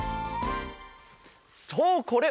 そうこれ！